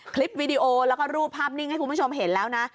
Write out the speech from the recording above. คลิปวีดีโอแล้วก็รูปภาพนิ่งให้คุณผู้ชมเห็นแล้วนะ